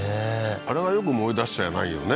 あれがよく燃えだしちゃわないよね